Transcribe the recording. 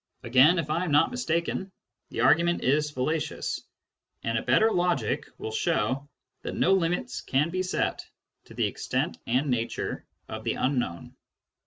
Again, if I am not mistaken, the argument is fallacious, and a better logic will show that no limits can be set to the extent and nature of the unknown.